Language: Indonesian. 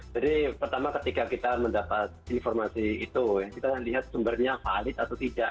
jadi pertama ketika kita mendapat informasi itu kita lihat sumbernya valid atau tidak